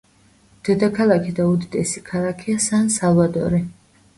დედაქალაქი და უდიდესი ქალაქია სან-სალვადორი.